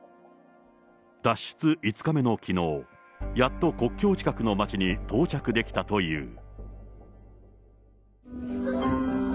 脱出５日目のきのう、やっと国境近くの町に到着できたという。